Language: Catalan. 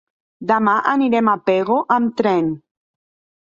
Demà anirem a Pego amb tren.